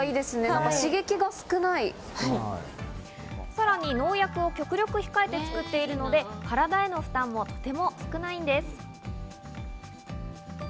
さらに農薬を極力控えて作っているので、体への負担もとても少ないんです。